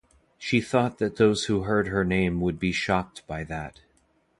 She thought that those who heard her name would be shocked by that.